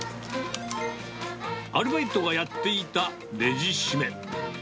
アルバイトがやっていたレジ締め。